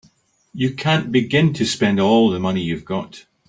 You can't begin to spend all the money you've got.